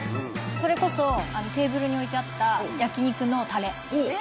それこそテーブルに置いてあった焼肉のたれ？